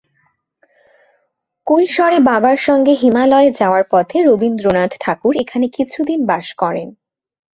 কৈশোরে বাবার সঙ্গে হিমালয়ে যাওয়ার পথে রবীন্দ্রনাথ ঠাকুর এখানে কিছুদিন বাস করেন।